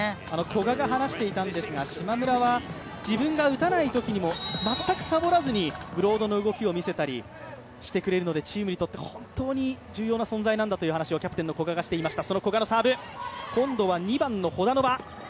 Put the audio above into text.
古賀が話していたんですが、島村は自分が打たないときにも全くサボらず、ブロードの動きを見せたりしてくれるのでチームにとって、本当に重要な存在なんだという話をキャプテンの古賀がしていました。